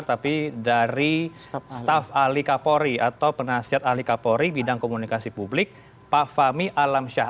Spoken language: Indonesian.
tapi dari staf ahli kapolri atau penasihat ahli kapolri bidang komunikasi publik pak fahmi alam syah